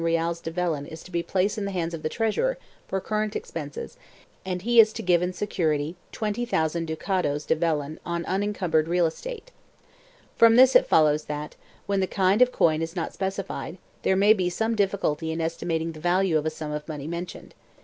In 1730 it is provided that the sum of 120,000 reales de vellon is to be placed in the hands of the treasurer for current expenses and he is to give security in 20,000 ducados de vellon on unencumbered real estate. From this it follows that, when the kind of coin is not specified, there may be some difficulty in estimating the value of a sum of money mentioned.